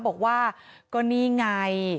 บอกว่าก็นี่ไง